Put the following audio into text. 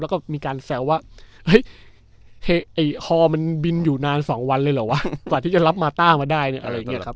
แล้วก็มีการแซวว่าเฮ้ยไอ้ฮอมันบินอยู่นาน๒วันเลยเหรอวะกว่าที่จะรับมาต้ามาได้เนี่ยอะไรอย่างนี้ครับ